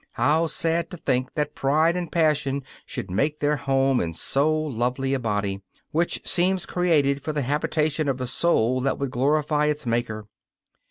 How sad to think that pride and passion should make their home in so lovely a body, which seems created for the habitation of a soul that would glorify its Maker!